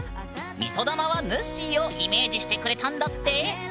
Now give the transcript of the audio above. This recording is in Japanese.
みそ玉はぬっしーをイメージしてくれたんだって！